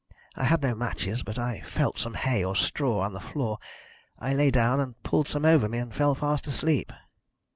I had no matches, but I felt some hay or straw on the floor. I lay down and pulled some over me, and fell fast asleep.